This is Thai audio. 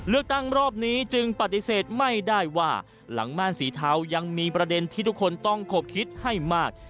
รอบนี้จึงปฏิเสธไม่ได้ว่าหลังม่านสีเทายังมีประเด็นที่ทุกคนต้องขบคิดให้มาก